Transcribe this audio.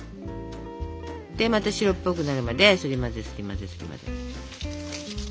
でまた白っぽくなるまですり混ぜすり混ぜすり混ぜ。